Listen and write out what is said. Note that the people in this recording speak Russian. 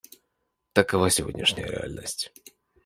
Такова сегодняшняя реальность.